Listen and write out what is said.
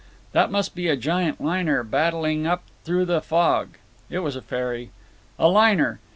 That must be a giant liner, battling up through the fog. (It was a ferry.) A liner!